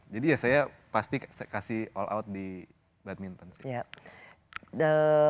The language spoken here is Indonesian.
jadi ya saya pasti kasih all out di badminton sih